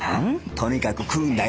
とにかく食うんだよ